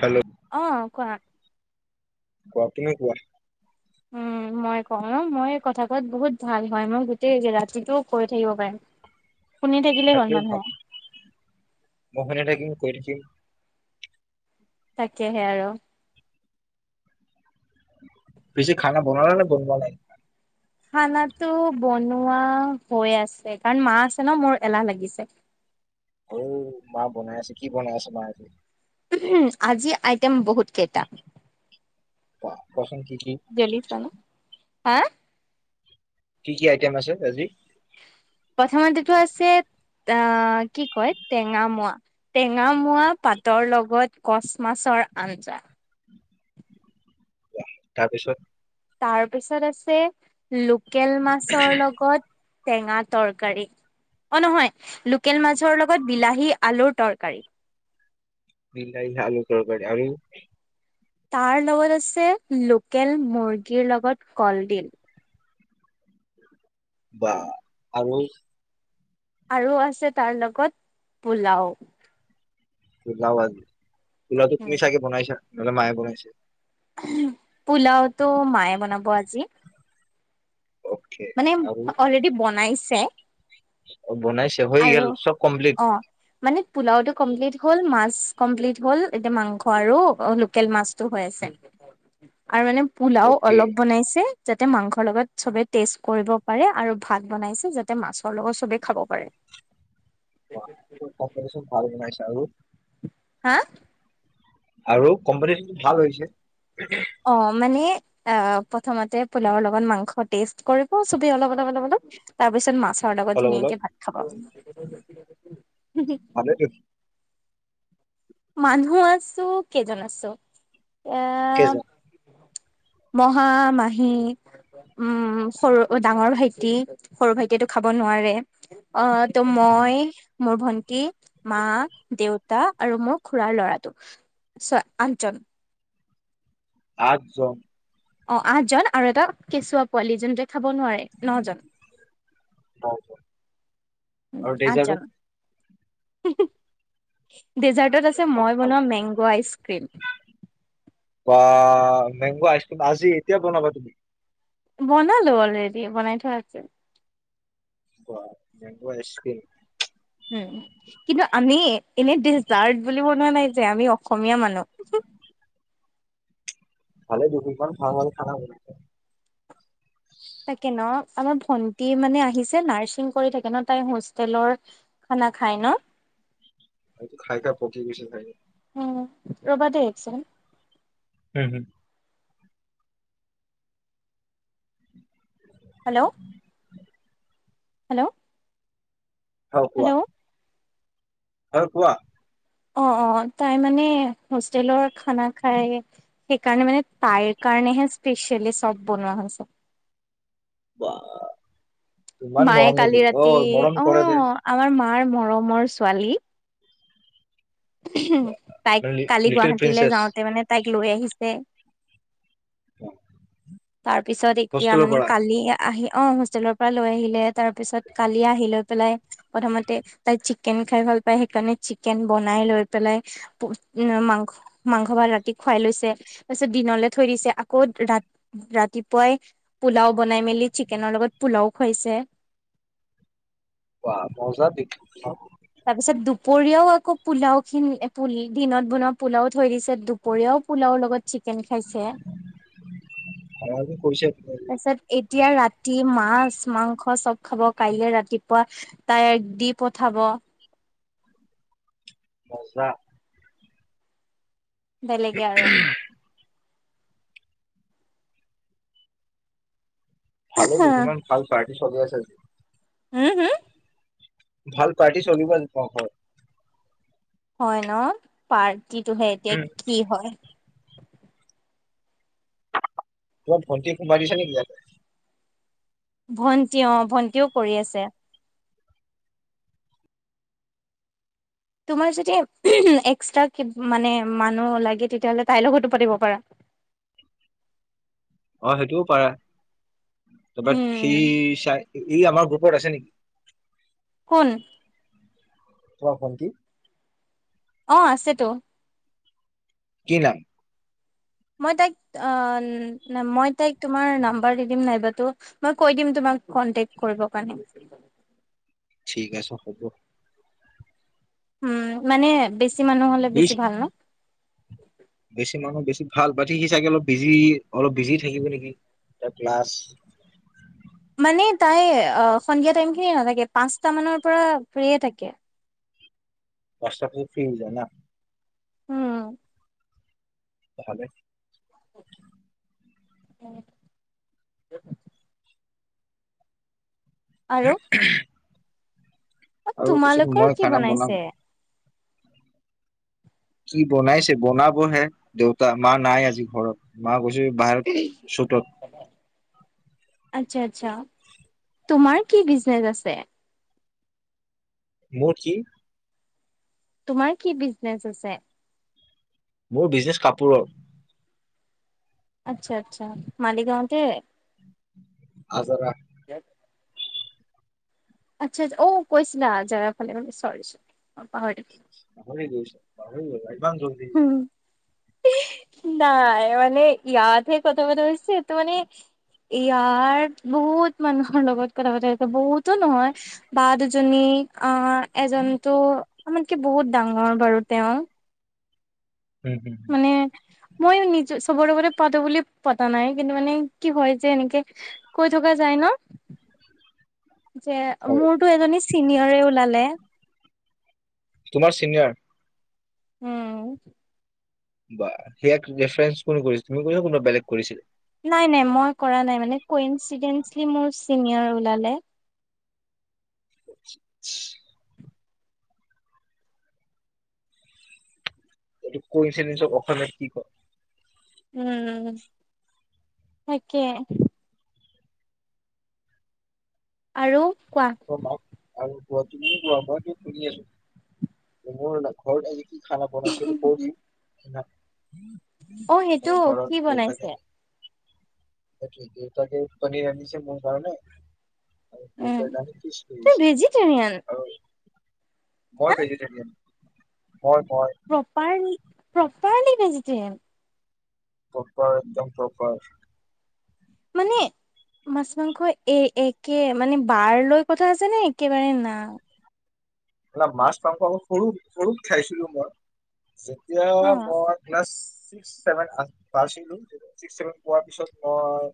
Hello. অ' কোৱা। কোৱা তুমি কোৱা। উম মই কওঁ মই কথা কোৱাত বহুত ভাল হয় মই গোটেই ৰাতিটো কৈ থাকিব পাৰিম। শুনি থাকিলেই হ'ল মানুহে [unintelligible] কৰি [unintelligible] তাকেহে আৰু। পিছে খানা বনালা নে বনোৱা নাই। খানা বনোৱা হৈ আছে কাৰণ মা আছে ন মোৰ এলাহ লাগিছে। অ' মা বনাই আছে কি বনাই আছে মায়ে? উম আজি আইটেম বহুত কেইটা। অ' কচোন। কি? হা। কি কি আইটেম আছে আজি? প্ৰথমেটো আছে আহ কি কয় টেঙা মোৱা, টেঙা মোৱা পাতৰ লগত কচ মাছৰ আঞ্জা। তাৰপিছত। তাৰপিছত আছে। লোকেল মাছৰ লগত টেঙা তৰকাৰী অ' নহয় লোকেল মাছৰ লগত বিলাহী আলুৰ তৰকাৰী। বিলাহী আলু তৰকাৰী আৰু তাৰ লগত আছে লোকেল মুৰ্গীৰ লগত কলডিল। বা আৰু আৰু আছে তাৰ লগত পোলাও। ইলাবাদ। পোলাওটো তুমি চাগে বনাইছা? নহ'লে মায়ে বনাইছে। পোলাওটো মায়ে বনাব আজি । অকে মানে অলৰেডি বনাইছে । [inaudible] উ। অ' বনাইছে হৈ গ'ল চব কমপ্লিট । অ মানে পোলাওটো কমপ্লিট হ'ল, মাছ কমপ্লিট হ'ল, এতিয়া মাংস আৰু লোকেল মাছটো হৈ আছে আৰু মানে পোলাও অকে অলপ বনাইছে যাতে মাংসৰ লগত চবে টেষ্ট কৰিব পাৰে আৰু ভাত বনাইছে যাতে মাছৰ লগত চবেই খাব পাৰে। কম্বিনেচন ভাল বনাইছে। আৰু হা আৰু কম্পানীটো ভাল হৈছে । অ' মানে অ' প্ৰথমতে পোলাওৰ লগত মাংস টেষ্ট কৰিব চবে অলপ-অলপ-অলপ তাৰপিছত মাছ মাছৰ লগত অলপ অলপ ধুনীয়াকে ভাত খাব । ভালে দিয়ক । মানুহ আছো, কেইজন আছো। এ' কেইজন মহা-মাহী উম সৰু অ' ডাঙৰ ভাইটি, সৰু ভাইটিয়েটো খাব নোৱাৰে অহ। তো উম, মই মোৰ ভন্টি, মা, দেউতা আৰু মোক খুৰাৰ ল'ৰাটো ছ, আঠজন। আঠজন। অ' আঠজন আৰু এটা কেঁচুৱা পোৱালি যোনটো খাব নোৱাৰে, ন'জন, নজন আৰু ডেজাৰ্টো আঠজন। [inaudible] ডেজাৰ্টত আছে খাব মই ভাল। বনোৱা মেংগো আইচক্ৰীম । অ' মেংগ আইচকিম আজি এতিয়া বনাবা তুমি । বনালো অলৰেডি বনাই থোৱা আছে। বা পুৰা স্পীড। উম, কিন্তু আমি এনে ডিজাৰ্ট বুলি মনোৱা নাই যে আমি অসমীয়া মানুহ। ভালে [unintelligible] খোৱা ভাল খানা হৈ তাকে ন আমাৰ ভন্টি মানে আহিছে নাৰ্ছিং কৰি থাকে ন' তাই হোষ্টেলৰ খানা খাই ন' খাই খাই পকি গৈছে তাই উম, ৰবা দে এক চেকেণ্ড হুম-হুম। হেল্ল' হেল্ল' হ কোৱা হেল্ল' হয় কোৱা? অ' অ তাই মানে হোষ্টেলৰ খানা খাই সেইকাৰে মানে তাইৰ কাৰণেে স্পেচিয়েলব বনোৱা বা ইমান মায়ে মৰম নেকি কালি অ ৰাতি মৰম অ' কৰে যে আমাৰ মা। আমাৰ মৰমৰ ছোৱালী। তাইক লি কালি লিটিল গুৱাহাটীলৈ প্ৰিন্সেছ যাওঁতে মানে তাইক। লৈ আহিছে। তাৰপিছত এতিয়া হোষ্টেলৰ মানে পৰা কালি আহি। অ' হোষ্টেলৰ পৰা লৈ আহিলে তাৰ পিছত কালি আহি লৈ পেলাই প্ৰথমতে তাই চিকেন খাই ভাল পাই সেইকাৰণে চিকেন বন। বনাই লৈ পেলাই উ মাংস মাংস ভাল ৰাতি খুৱাই লৈছে তাৰপিছত দিনলে থৈ দিছে আকৌ ৰা ৰাতিপুৱাই পোলাও বনাই মেলি চিকেনৰ লগত পোলাও খুৱাইছে। ৱা মজা দেখোন তাৰ পিছত দুপৰীয়াও আকৌ পোলাও খিনি প দিনত বনোৱা পোলাও থৈ দিছে দুপৰীয়াও পোলাও লগত। চিকেন খাইছে। আমাকো কৈছে তাৰপিছত এতিয়া ৰাতি মাছ মাংস চব। খাব কাইলৈ ৰাতিপুৱা। তাই দি পঠাব। মজা বেলেগে আৰু। ভালে দুছুমান ভাল পাৰ। চবেই [unintelligible] হম- হম ভাল পাৰ্টি চলিব আজি হয় ন পাৰ। কিটোহে এতিয়া কি হয়। [inaudible] মোৰ ভণ্টিক সুমুৱাই দিছ নেকি ইয়াতে। ভণ্টি অ ভণ্টিও কৰি আছে। তোমাৰ যদি এক্সট্ৰা মানে মানুহ লাগে তেতিয়াাহলে তাইৰ লগতো পাতিব পাৰা। অ' সেইটোও পাৰে [inaudible] উম ই আমাৰ গ্ৰুপত আছে নেকি। কোন আমাৰ ভণ্টি অ 'আছে তো কি নাম? [inaudible] ঠিক আছে হ'ব। উম মানে বেছি বেছি মানুহ হ'লে বেছি সি ভাল ন বেছি মানুহ বেছি ভাল বতিি সি চাগে অলপ বিজি অলপ বিজি থাকিব নেকি এ ক্লাছ মানে তাই সন্ধিয়া টাইম খিনি নাথাকে পাঁচট মানৰ পৰা ফ্ৰয়ে থাকে বছফো ফ্ৰী হৈ যায় ন উম তাললে উ আৰু [inaudible] আৰু পিছত তোমালোকৰ মই কি খানা বনাম। বনাইছে কি বনাইছে বনাব হে দেউতা মা নাই আজি ঘৰত মা গৈ বাহ চট আচ্ছা আচ্ছা তোমাৰ কি বিজনেচ আছে মোৰ কি তোমাৰ কি বিজনেচ আছে মোৰ বিজনেছ কাপোৰৰ আচ্ছা আচ্ছা মালিগাঁওতে আছাৰ আচ্ছা আা অ কৈছিলা জেগাৰ ফালেে পাহ ভৰি গছ ভৰি গ গান জল দি থাকিলোঁ। নাই মানে ইয়াতহে কথা পতা হৈছেটো মানে ইয়াত বহুত মানুহৰ লগত কথা পতা হৈছে বহুতো নহয় বা দুজনী আহ এজনো আমাতক বহুত ডাঙৰ বাৰু তেওঁ উম হুম হ মানে মই নিজ চবৰে লগতে পাতো বুলি পতা নাই কিন্তু মানে কি হয় যে এনেকে কৈ থকা যায় ন যে হয় মোৰতো এজনী চিনিয়ৰে ওলালে তোমাৰ চিনিয়ৰ উম বা সোক ৰেফাৰেন্ঞ্চ কোনে কৰিছিল তুমি কৈছা কোনোবা বেলেগ কৰিছিলা নাই নাই মই কৰা নাই মানে কিডেল মোৰ চিনিয়ৰ ওলালে [inaudible] এই কৈ চ চব অসমে কি ক উম তাকে আৰু কোৱা ম আৰু কোৱা তুমি কোৱাই তুমি আছো মোৰ ঘৰ খানা পনাা শটো কৰিি ন অহ', সেইটো কি বনাইছে? ততে পনীৰ আনিছে মোৰ কাৰণে। উম গদান ফিচ তই হৈছে, ভেজিটেৰিয়ান আৰু বৰ ভেজিটেৰিয়ান। মই মই প্ৰপাৰলি প্ৰপাৰলি ভেজিটেৰিয়ন, প্ৰপাৰ একদম প্ৰপাৰ, মানে মাছ মাংস এ একে মানে বাৰ লৈ কথা আছে নে একেবাৰে না। এ মাছ প সৰু সৰুত খাইছিলো মই, যেতিয়া অ মই ক্লাছ ছিক্স ছেভেন পাইছিলো ছিক্স ছেভেন পোৱাৰ পিছত মই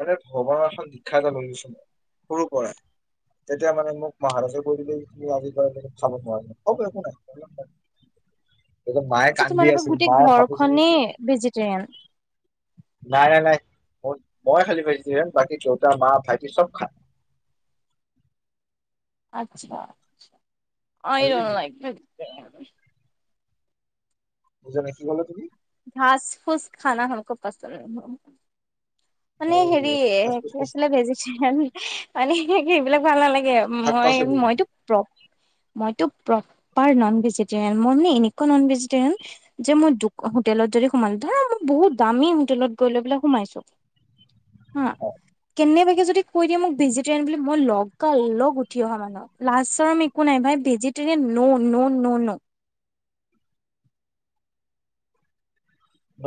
এ ভ্ৰৱণৰ এখন দীক্ষা এ ললোছ মই সৰুৰ পৰাই তেতিয়া মানে মোক মহাৰাজে কৈ দিলে আজি চাব নোৱাৰ অহ ', ক আচ্ছা, তোমালোকৰ গোটেই ঘৰখনে কি ভেজিটৰিয়ান। নাই- নাই- নাই মোৰ মই খালী ভেজিতেৰিয়ান, বাকী দেউতা মা ভাইটি চব খায়। আচ্ছা। আই ড'ন লাইক বুজা নাই, কি ক'লা তুমি? ঘচ ফুচ খানা হ'মকো পচণ্ড নেহি। মানে হেৰি কি আছিলে ভেজিটেৰিয়ান, মানে এইবিলাক ভাল নালাগে। এইয়া শাক মই পাচলি মইতো প্ৰ মইটো প্লপাৰ নন ভেজিটেৰিয়ান। মই মানে এনেকুৱা নন ভেজিৰিয়ান যে মই হোটেলত যদি সোমালো, ধৰা বহুত দামী হোটেলত গৈ লৈ সোমাইছো হম ', কেনে বা যদি কৈ দিয়ে মোক ভেজিটেৰিয়ান বুলি, মই লগা লগ উঠি অহা মানুহ, লাজ চৰম একো নাই ভাই ভেজিটেৰিয়ান ন- ন- ন-ন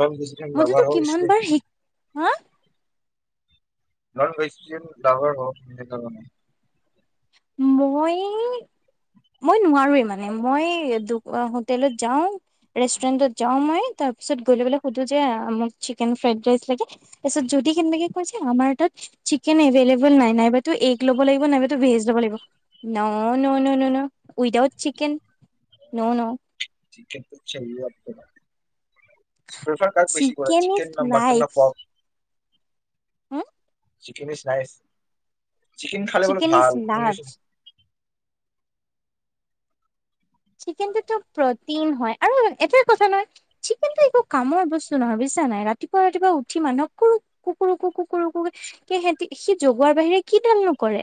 নন ভেজিটেৰিয়ান মইতোতো লভাৰ হৈ কিমান গৈছে, বাৰ শিক হা নন ভেজিটেৰিয়ান লাভাৰ হৱ তাৰ মানে, মই- মই নোৱাৰোৱে মানে মই দু হোটেলত যাওঁ ৰেষ্টুৰেণ্টত যাওঁ মই তাৰ পিছত গৈ লৈ পেলাই সোধো যে মোক চিকেন ফ্ৰাইড ৰাইচ লাগে, তাৰপিছত যদি কেনেবাকে কয় যে আমাৰ তাত চিকেন এভেইলেবল নাই নাইবাতো এগ ল'ব লাগিব নাইবা ভেজ লব লাগিব, ন-ন-ন- ন- ন উইডাউত চিকেন ন- ন । চিকেনতো চলো আপ কৰা, ষ্টচাৰ কাক বেছি কৰা চিকেন ন মাটন ন পৰ্ক! হম ', চিকেন ইজ নাইচ। চিকেন খালে বোলে ইজ ভাল। লাভ শুনিছো, চিকেনটোো প্ৰটিন হয় আৰু এটাই কথা নহয় চিকেনটো একো কামৰ বস্তু নহয় বুজিছা নাই ৰাতিপুৱা ৰাতিপুৱা উঠি মানুহক ক কো ক কু সহতি সি জগোৱাৰ বাহিৰে কিডাল নকৰে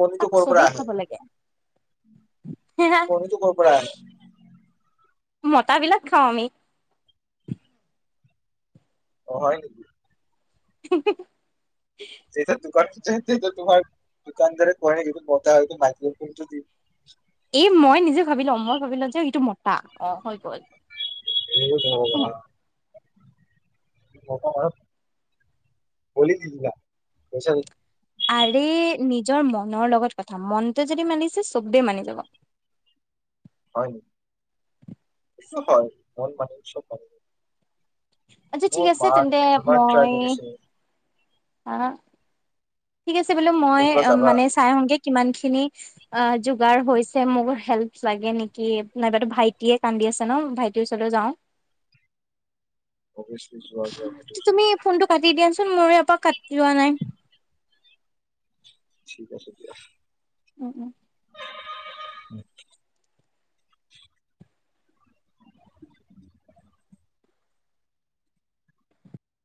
কনেটোো কৰপৰা আহ কনেটোো কৰপৰা আহ মত বিলাক খাওঁ আমি অ হয় নেকি [inaudible] তেতি তুোক তোমাৰ দোকানদাৰ ক কিটো পত হয় মাইক ফোনটো দি এই মই নিজে ভাবি ল মই ভাবিলো যে ইটো মত ত অ হৈ গল হনে ম ম বল দিা কচ আৰে নিজৰ মনৰ লগত কথা মনটো যদি মানিছে চবদেই মানি যাব হয় নে শ ক মন মানস আচ্ছা ঠিক আছে তেন্তে কিমান ট্ৰাই মই কৰিছে আহ ঠিক আছে বোলো মই ক'ৰবাত যাবা মানে চাই আহগে কিমান খিনি অ যোগাৰ হৈছে মোক হেল্প লাগে নেকি নাইবাাতো ভাইটিয়ে কান্দি আছে ন ভাইটিৰ ওচৰলৈ যাও অভিয়াচলি যোৱা যোৱা সেইটো তুমি ফোনটো কাটি দিয়াচোন মৰে এপাক কাটি লোৱা নাই ঠিক আছে দিয়া উম উম উম